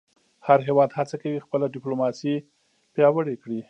هر هېواد هڅه کوي خپله ډیپلوماسي پیاوړې کړی.